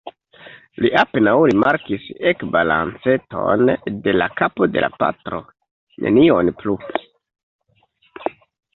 Li apenaŭ rimarkis ekbalanceton de la kapo de la patro; nenion plu.